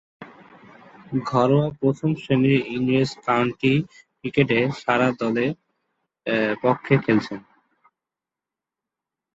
ঘরোয়া প্রথম-শ্রেণীর ইংরেজ কাউন্টি ক্রিকেটে সারে দলের পক্ষে খেলেছেন।